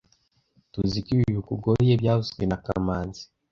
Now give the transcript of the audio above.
Tuziko ibi bikugoye byavuzwe na kamanzi